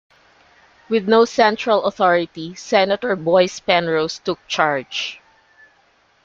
With no central authority, Senator Boies Penrose took charge.